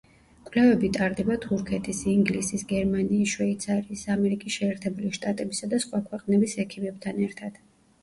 კვლევები ტარდება თურქეთის, ინგლისის, გერმანიის, შვეიცარიის, ამერიკის შეერთებული შტატებისა და სხვა ქვეყნების ექიმებთან ერთად.